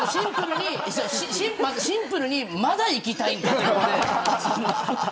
シンプルにまだいきたいのか、と。